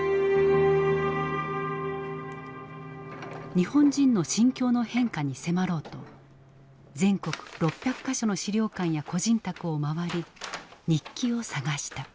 日本人の心境の変化に迫ろうと全国６００か所の資料館や個人宅を回り日記を探した。